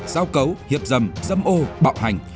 giao cấu hiệp dầm dâm ô bạo hành